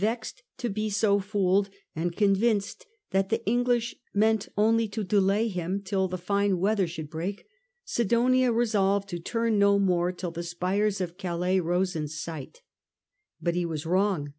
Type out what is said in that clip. Vexed to be so fooled, and convinced that the English meant only to delay him till the fine weather should break, Sidonia resolved to turn no more till the spires of Calais rose in sight. But he was wrong.